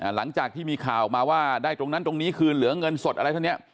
หลังจากที่มีข่าวออกมาว่าได้ตรงนั้นตรงนี้คืนเหลือเงินสดอะไรเท่านี้